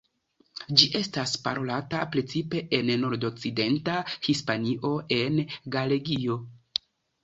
Ĝi estas parolata precipe en nordokcidenta Hispanio en Galegio.